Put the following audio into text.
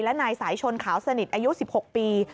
และนายสายชนขาวสนิทอายุ๑๖ปี